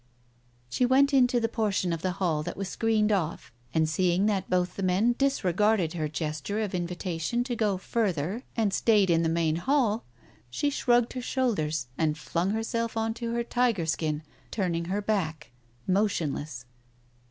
She went into the portion of the hall that was screened off, and seeing that both the men disregarded her gesture of invitation to go further and stayed in the main hall, she shrugged her shoulders and flung herself on to her tiger skin, turning her back, motionless.